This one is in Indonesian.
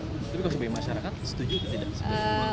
tapi kalau sebagai masyarakat setuju atau tidak